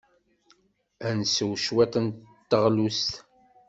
Ad nsew cwiṭ n teɣlust?